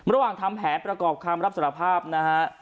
ระหว่างทำแผลประกอบคำรับสารภาพนะฮะ